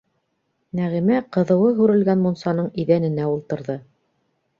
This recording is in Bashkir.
Нәғимә ҡыҙыуы һүрелгән мунсаның иҙәненә ултырҙы.